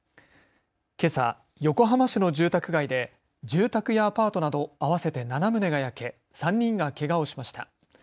けさ横浜市の住宅街で住宅やアパートなど合わせて７棟が焼け３人がけがをしました。